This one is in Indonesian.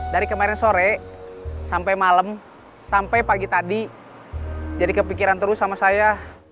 dari kemarin sore sampai malam sampai pagi tadi jadi kepikiran terus sama saya